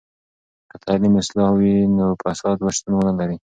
که تعلیم اصلاح ولري، نو فساد به شتون ونلري.